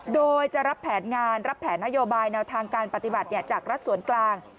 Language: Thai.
โดยจะรับแผนงานรับแผนนโยบายแนวทางการปฏิบัติจากรัฐส่วนกลาง